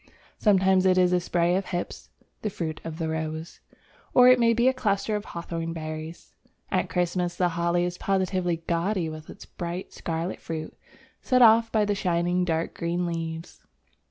Sometimes it is a spray of Hips (the fruit of the Rose), or it may be a cluster of Hawthorn berries. At Christmas the Holly is positively gaudy with its bright scarlet fruit set off by the shining dark green leaves.